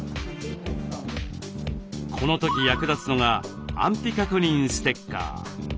この時役立つのが安否確認ステッカー。